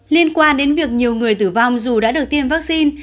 liên quan đến việc nhiều người tử vong dù đã được tiêm vaccine